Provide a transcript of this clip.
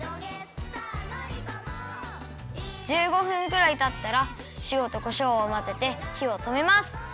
１５分ぐらいたったらしおとこしょうをまぜてひをとめます。